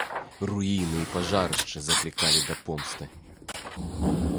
Руіны і пажарышчы заклікалі да помсты.